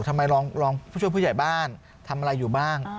ทำไมรองผู้ช่วยผู้ใหญ่บ้านทำอะไรอยู่บ้าง